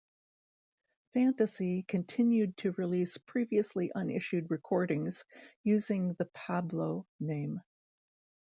Fantasy continued to release previously unissued recordings using the Pablo name.